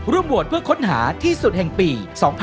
โหวตเพื่อค้นหาที่สุดแห่งปี๒๕๖๒